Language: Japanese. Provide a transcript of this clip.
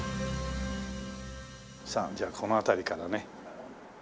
さあじゃあこの辺りからね。